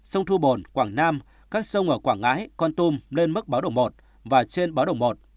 sông thu bồn quảng nam các sông ở quảng ngãi con tum lên mức báo động một và trên báo đồng một